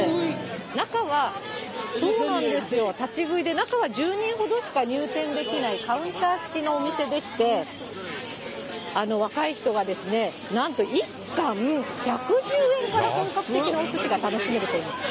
中は、そうなんですよ、立ち食いで、中は１０人ほどしか入店できないカウンター付きのお店でして、若い人はなんと１カン１１０円から本格的なおすしが楽しめるという。